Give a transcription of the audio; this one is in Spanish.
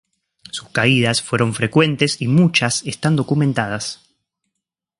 Sus caídas fueron frecuentes y muchas están documentadas.